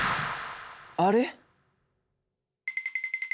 あれ？